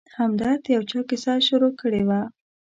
همدرد د یو چا کیسه شروع کړې وه.